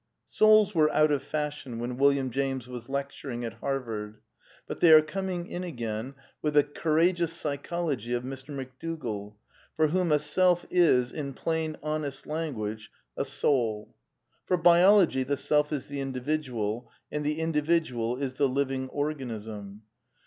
Souls were " out of fashion " when William James was lecturing at Harvard ; but they are coming in again with the courageous psychology of Mr. McDougall, for whom 2^ self is, in plain, honest language, a Soul. For biology the self is the Individual, and the Indi vidual is the living organism.